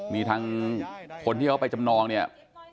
มีทางคนที่เขาไปจำนองเนี่ย